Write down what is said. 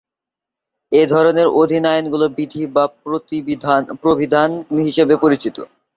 এ ধরনের অধীন আইনগুলো বিধি বা প্রবিধান হিসেবে পরিচিত।